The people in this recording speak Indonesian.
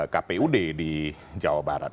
kpud di jawa barat